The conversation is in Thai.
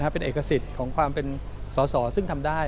เป็นเอกสิทธิ์ของความเป็นสอสอซึ่งทำได้